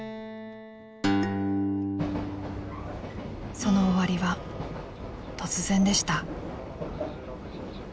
［その終わりは突然でした］